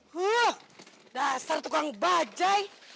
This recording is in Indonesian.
wah dasar tukang bajaj